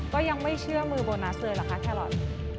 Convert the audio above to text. ก็ยังไม่เชื่อมือโบนัสเลยเหรอคะแครอท